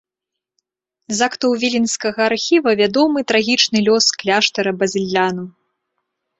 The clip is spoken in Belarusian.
З актаў віленскага архіва вядомы трагічны лёс кляштара базыльянаў.